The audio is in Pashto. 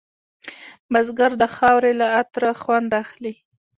بزګر د خاورې له عطره خوند اخلي